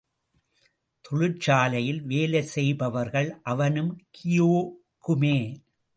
தொழிற்சாலையில் வேலை செய்பவர்கள் அவனும் கியோக்குமே.